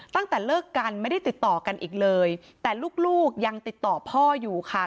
ตั้งแต่เลิกกันไม่ได้ติดต่อกันอีกเลยแต่ลูกลูกยังติดต่อพ่ออยู่ค่ะ